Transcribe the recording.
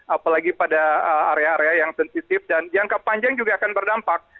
apalagi pada area area yang sensitif dan jangka panjang juga akan berdampak